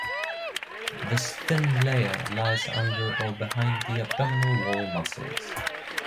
This thin layer lies under or behind the abdominal wall muscles.